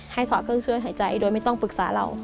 ถอดเครื่องช่วยหายใจโดยไม่ต้องปรึกษาเรา